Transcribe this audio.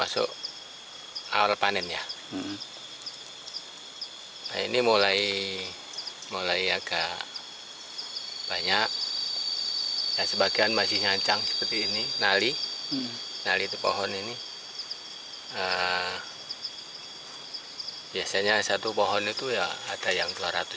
seribu seribu biji satu pohon